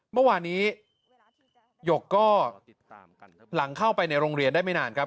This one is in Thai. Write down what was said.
เมื่อวานนี้หยกก็ติดตามหลังเข้าไปในโรงเรียนได้ไม่นานครับ